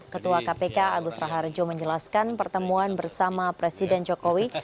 ketua kpk agus raharjo menjelaskan pertemuan bersama presiden jokowi